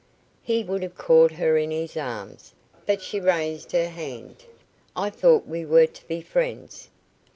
He would have caught her in his arms, but she raised her hand. "I thought we were to be friends."